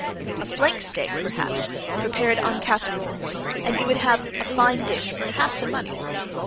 A flank steak, perhaps, prepared en casserole, and you would have a fine dish for half the money.